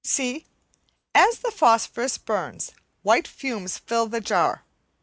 See! as the phosphorus burns white fumes fill the jar.